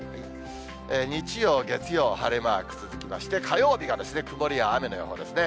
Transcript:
日曜、月曜、晴れマーク続きまして、火曜日が曇りや雨の予報ですね。